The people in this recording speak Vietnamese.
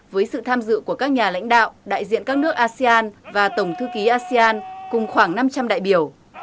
với sự tham dự của các nhà lãnh đạo đại diện các nước asean và tổng thư ký asean cùng khoảng năm trăm linh đại biểu